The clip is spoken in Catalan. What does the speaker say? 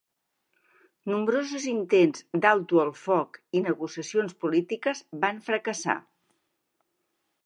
Nombrosos intents d'alto el foc i negociacions polítiques van fracassar.